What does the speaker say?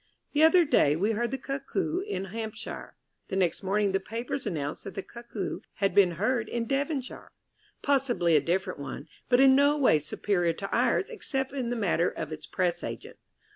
The other day we heard the Cuckoo in Hampshire. (The next morning the papers announced that the Cuckoo had been heard in Devonshire possibly a different one, but in no way superior to ours except in the matter of its Press agent.)